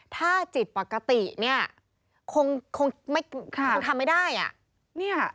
ถ้าจิตปกติเนี่ยคงทำไม่ได้อ่ะ